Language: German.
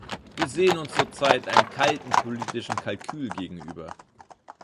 Wir sehen uns zurzeit einem kalten politischen Kalkül gegenüber.